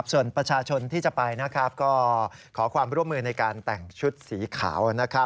ส่วนประชาชนที่จะไปก็ขอความร่วมมือในการแต่งชุดสีขาว